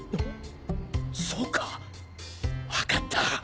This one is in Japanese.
そうか分かった